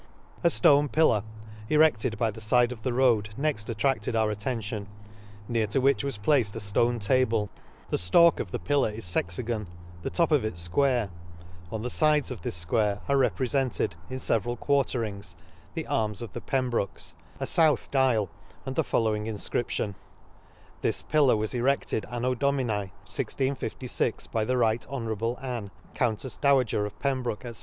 A Stone Pillar, erected by the fide of the road, next attracted our attention ; near to which was placed a ftone table. The ftalk of the pillar is fexagon, the top of it fquare ; on the fides of this fquare are reprefented, in feveral quarterings, the arms of the Pembrokes, a fouth dial, and the following infcription : This Pillar was eredled Anno Domini " 1656, by the Right Honble Ann, Coun " tefs Dowager of Pembroke, &c.